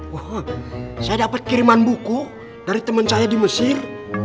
wah saya dapat kiriman buku dari teman saya di mesir